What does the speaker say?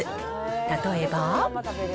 例えば。